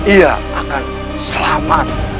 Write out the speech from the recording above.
ia akan selamat